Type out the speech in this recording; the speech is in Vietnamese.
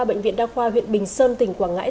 bệnh viện đa khoa huyện bình sơn tỉnh quảng ngãi